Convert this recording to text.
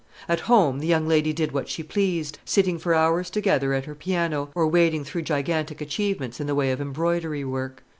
At home the young lady did what she pleased, sitting for hours together at her piano, or wading through gigantic achievements in the way of embroidery work.